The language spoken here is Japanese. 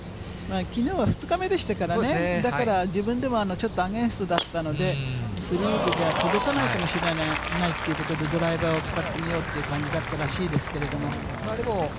きのうは２日目でしたからね、だから、自分でもちょっとアゲンストだったので、スリーでは届かないかもしれないということで、ドライバーを使ってみようっていう感じだったらしいですけども。